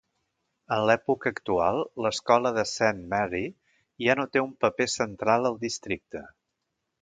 En l'època actual, l'escola de Saint Mary ja no té un paper central al districte.